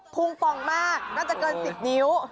ุงป่องมากน่าจะเกิน๑๐นิ้ว